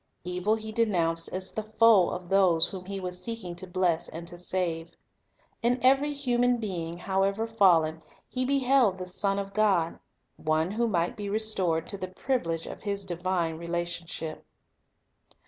Evil He denounced as the foe of those whom He was seeking to bless and to save. In every human being, however fallen, He beheld a son of God, one who might be restored to the privilege of his divine relationship.